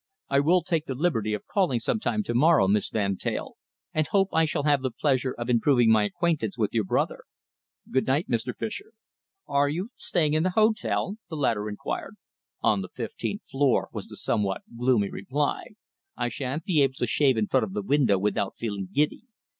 I will take the liberty, of calling some time to morrow, Miss Van Teyl, and hope I shall have the pleasure of improving my acquaintance with your brother. Good night, Mr. Fischer." "Are you staying in the hotel?" the latter inquired. "On the fifteenth floor," was the somewhat gloomy reply. "I shan't be able to shave in front of the window without feeling giddy.